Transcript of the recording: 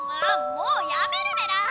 もうやめるメラ！